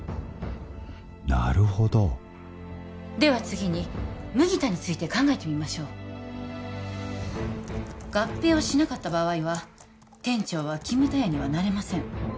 なるほどでは次に麦田について考えてみましょう合併をしなかった場合は店長はキムタヤにはなれません